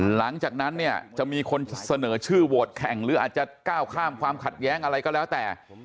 หลังจากนั้นเนี่ยจะมีคนเสนอชื่อโหวตแข่งหรืออาจจะก้าวข้ามความขัดแย้งอะไรก็แล้วแต่